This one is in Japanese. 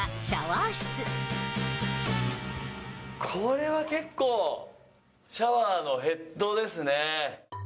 これは結構、シャワーのヘッドですね。